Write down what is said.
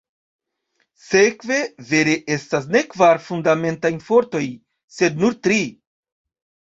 Sekve, vere estas ne kvar fundamentaj fortoj sed nur tri.